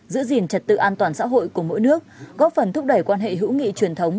giữ gìn trật tự an toàn xã hội của mỗi nước góp phần thúc đẩy quan hệ hữu nghị truyền thống